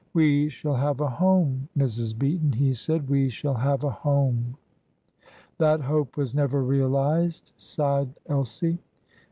'We shall have a home, Mrs. Beaton,' he said; 'we shall have a home!'" "That hope was never realised!" sighed Elsie.